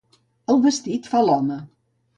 El vestit fa l'home.